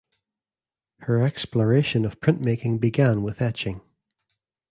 Her exploration of printmaking began with etching.